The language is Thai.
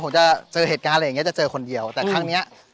ชื่องนี้ชื่องนี้ชื่องนี้ชื่องนี้ชื่องนี้ชื่องนี้